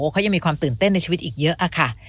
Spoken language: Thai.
เขายังมีความตื่นเต้นในชีวิตอีกเยอะค่ะ